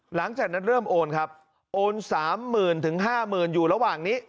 หลังจากนั้นเริ่มโอนครับโอนสามหมื่นถึงห้ามล้านหมื่นอยู่ระหว่างนี้